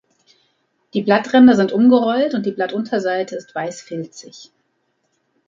Die Blattränder sind umgerollt und die Blattunterseite ist weißfilzig.